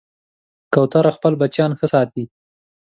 کوتره خپل بچیان ښه ساتي.